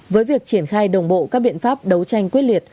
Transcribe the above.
với việc triển khai đồng bộ các biện pháp đấu tranh quyết liệt